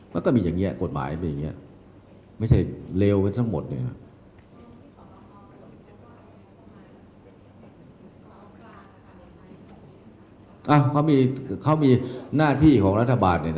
มันก็มีอย่างนี้กฎหมายมันมีอย่างต่อ